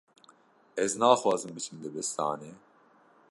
Ez naxwazim biçim dibistanê.